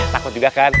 takut juga kan